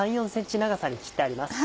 ３４ｃｍ長さに切ってあります。